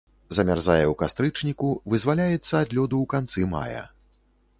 Замярзае ў кастрычніку, вызваляецца ад лёду ў канцы мая.